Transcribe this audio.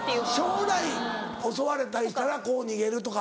将来襲われたりしたらこう逃げるとか。